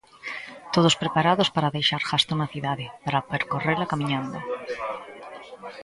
Todos preparados para deixar gasto na cidade, para percorrela camiñando.